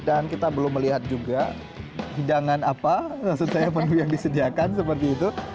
dan kita belum melihat juga hidangan apa maksud saya penuh yang disediakan seperti itu